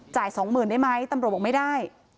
จ่าย๒๐๐๐๐ได้ไหมตำรวจบอกไม่ได้